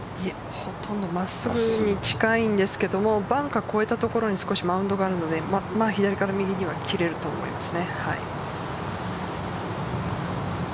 ほとんど真っすぐに近いんですけどバンカーを越えたところにマウンドがあるので左から右には切れると思います。